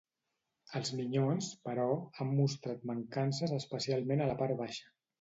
Els Minyons, però, han mostrat mancances especialment a la part baixa.